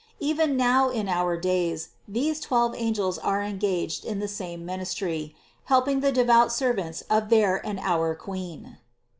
Even now in our days these twelve angels are engaged in the same ministry, helping the devout servants of their and our Queen.